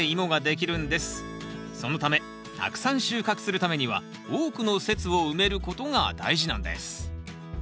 そのためたくさん収穫するためには多くの節を埋めることが大事なんです